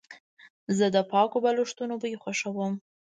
زه د پاکو بالښتونو بوی خوښوم.